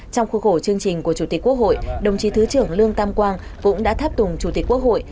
trong khu khổ chương trình của chủ tịch quốc hội đồng chí thứ trưởng lương tam quang cũng đã tháp tùng chủ tịch quốc hội